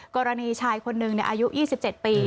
กรณีชายคนหนึ่งอายุ๒๗ปี